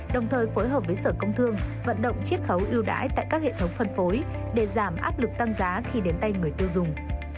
đồng thời phối hợp với sở công thương vận động chiếc khấu yêu đái tại các hệ thống phân phối để giảm áp lực tăng giá khi đến tay người tiêu dùng